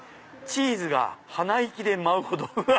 「チーズが鼻息で舞うほど」。